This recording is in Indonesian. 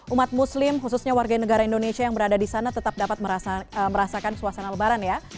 umat muslim khususnya warga negara indonesia yang berada di sana tetap dapat merasakan suasana lebaran ya